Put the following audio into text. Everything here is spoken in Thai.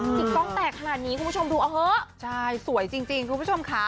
จิกกล้องแตกขนาดนี้คุณผู้ชมดูเอาเถอะ